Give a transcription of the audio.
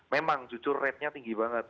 memang jujur ratenya tinggi banget